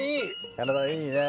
体にいいね！